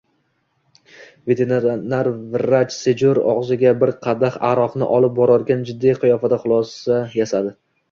Veterinar vrach Sejur, og`ziga bir kadah aroqni olib borarkan, jiddiy qiyofada xulosa yasadi